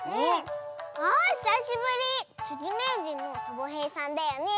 あひさしぶり！つりめいじんのサボへいさんだよね。